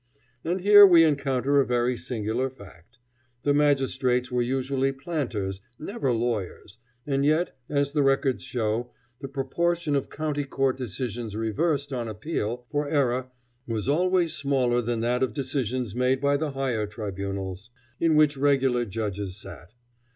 And here we encounter a very singular fact. The magistrates were usually planters, never lawyers, and yet, as the records show, the proportion of County Court decisions reversed on appeal for error was always smaller than that of decisions made by the higher tribunals, in which regular judges sat.